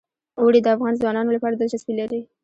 اوړي د افغان ځوانانو لپاره دلچسپي لري.